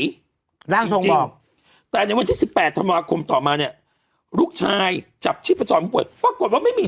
ร่างโทรงบอกจริงแต่ในวันที่๑๘ธันวาคมต่อมาเนี่ยลูกชายจับชิภจรพวกป่วกบอกไปไม่มี